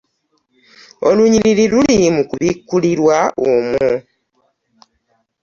Olunyiriri luli mu kubikkulirwa omwo.